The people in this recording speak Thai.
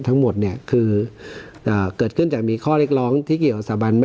ทั้งหมดเนี่ยคือเกิดขึ้นจากมีข้อเรียกร้องที่เกี่ยวกับสถาบัน